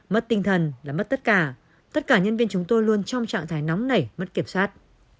mất tinh thần là mất tất cả tất cả nhân viên chúng tôi luôn trong trạng thái nóng nảy mất kiểm soát